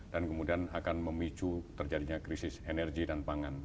dan kemudian akan memicu terjadinya krisis energi dan pangan